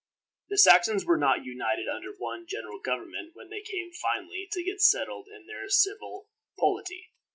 The Saxons were not united under one general government when they came finally to get settled in their civil polity.